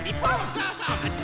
そうそう！